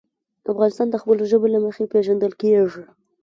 افغانستان د خپلو ژبو له مخې پېژندل کېږي.